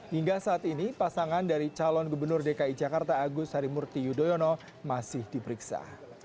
hingga saat ini pasangan dari calon gubernur dki jakarta agus harimurti yudhoyono masih diperiksa